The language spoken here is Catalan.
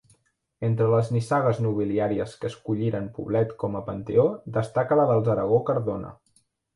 Entre les nissagues nobiliàries que escolliren Poblet com a panteó destaca la dels Aragó-Cardona.